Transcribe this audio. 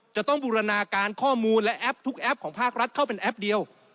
จะต้องบูรณาการข้อมูลและแอปทุกแอปของภาครัฐเข้าเป็นแอปเดียว